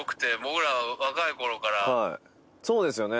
そうですよね。